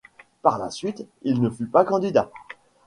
Par la suite, il ne fut pas candidat.